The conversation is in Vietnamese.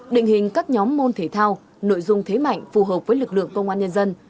định hình các nhóm môn thể thao nội dung thế mạnh phù hợp với lực lượng công an nhân dân